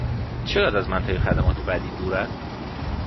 چقدر از منطقه خدمات بعدی دور است؟